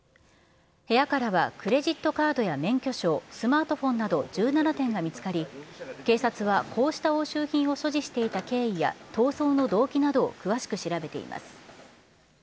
部屋からはクレジットカードや免許証、スマートフォンなど１７点が見つかり、警察はこうした押収品を所持していた経緯や逃走の動機などを詳しく調べています。